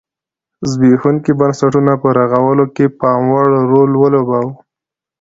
زبېښونکي بنسټونه په رغولو کې پاموړ رول ولوباوه.